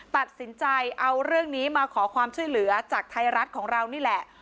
ตัดสินใจเอาเรื่องนี้มาขอความช่วยเหลือจากไทยรัฐของเรานี่แหละ